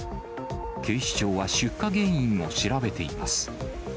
警視庁は出火原因を調べています。